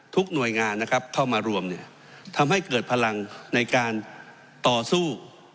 หน่วยงานนะครับเข้ามารวมทำให้เกิดพลังในการต่อสู้